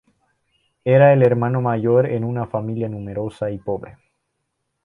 Era el hermano mayor en una familia numerosa y pobre.